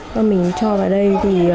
mà mình cho vào đây